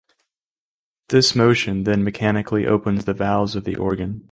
This motion then mechanically opens the valves of the organ.